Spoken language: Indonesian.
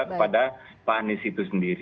kepada pak anies itu sendiri